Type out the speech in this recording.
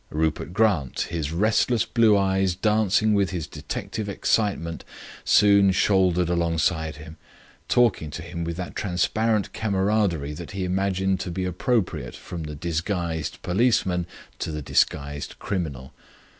Rupert Grant, his restless blue eyes dancing with his detective excitement, soon shouldered alongside him, talking to him with that transparent camaraderie which he imagined to be appropriate from the disguised policeman to the disguised criminal.